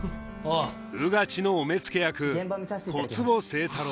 穿地のお目付け役小坪清太郎